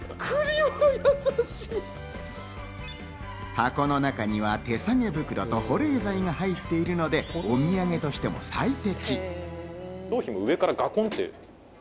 箱の中には手提げ袋と保冷剤が入っているので、お土産としても最適。